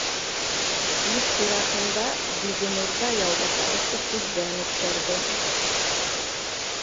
Үҙ сиратында Бибинур ҙа Яубаҫаровты күҙҙән үткәрҙе